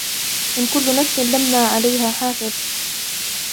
إِن كُلُّ نَفْسٍ لَّمَّا عَلَيْهَا حَافِظٌ